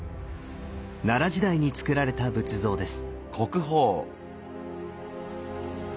奈良時代につくられた仏像です。